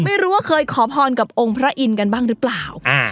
ไม่รู้ว่าเคยขอพรกับองค์พระอินทร์กันบ้างหรือเปล่า